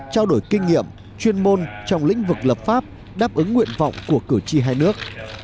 trao đổi kinh nghiệm chuyên môn trong lĩnh vực lập pháp đáp ứng nguyện vọng của cử tri hai nước